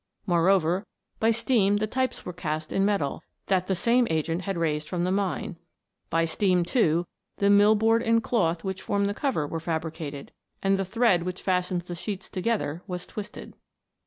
Moreover, by steam the types were cast in metal, that the same agent had raised from the mine ; by steam, too, the mill board and cloth which form the cover were fabricated, and the thread which fastens the sheets together was twisted.